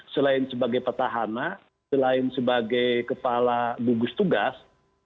selain sebagai petahana selain sebagai kepala gugus tugas